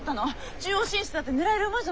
中央進出だって狙える馬じゃなかったの？